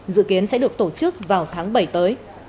dự kiến sẽ được tổ chức vào tháng bảy tới